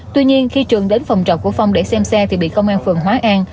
tuy nhiên khi trường đến phòng trọc của phong để xem xe thì bị công an phường hóa an